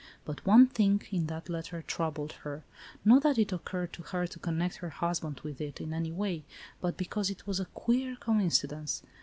But one thing in that letter troubled her; not that it occured to her to connect her husband with it, in any way, but because it was a queer coincidence.